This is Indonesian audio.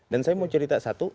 dan saya mau cerita satu